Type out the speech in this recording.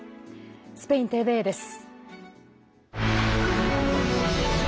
スペインＴＶＥです。